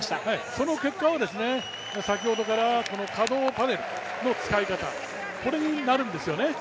その結果を先ほどから可動パネルの使い方になるんですよね。